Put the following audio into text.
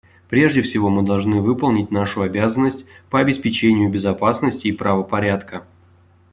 Прежде всего мы должны выполнить нашу обязанность по обеспечению безопасности и правопорядка.